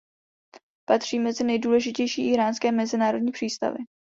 Patří mezi nejdůležitější íránské mezinárodní přístavy.